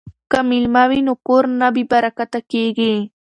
که میلمه وي نو کور نه بې برکته کیږي.